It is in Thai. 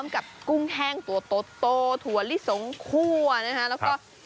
กับกุ้งแห้งตัวโตถั่วลิสงคั่วนะฮะแล้วก็